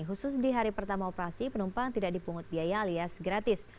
khusus di hari pertama operasi penumpang tidak dipungut biaya alias gratis